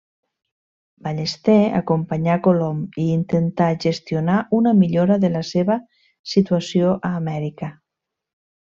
Ballester acompanyà Colom i intentà gestionar una millora de la seva situació a Amèrica.